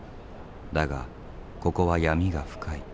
だがここは闇が深い。